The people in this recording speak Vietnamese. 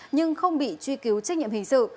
nhưng không bị truy cứu trách nhiệm hình sự